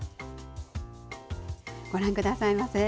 ご覧くださいませ。